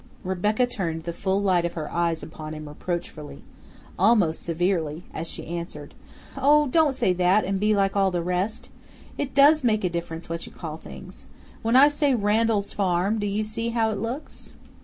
Rebecca turned the full light of her eyes upon him reproachfully, almost severely, as she answered: "Oh! don't say that, and be like all the rest! It does make a difference what you call things. When I say Randall's Farm, do you see how it looks?"